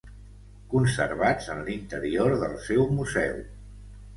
Conservats en l'interior del seu museu.